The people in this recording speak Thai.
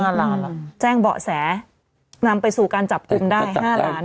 แจ้งเบาะแสนำไปสู่การจับกลุ่มได้๕ล้าน